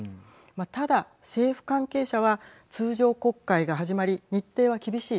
ただ、政府関係者は通常国会が始まり日程は厳しい。